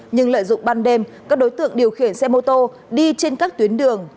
nhưng lợi dụng ban đêm các đối tượng điều khiển xe mô tô đi trên các tuyến đường